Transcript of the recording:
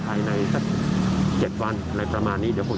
ภายในใส่๗วันประมาณนี้